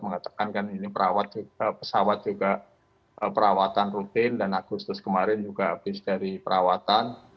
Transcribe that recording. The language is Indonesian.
mengatakan kan ini pesawat juga perawatan rutin dan agustus kemarin juga habis dari perawatan